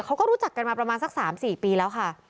เขาก็รู้จักกันมาประมาณสัก๓๔ปีแล้วค่ะ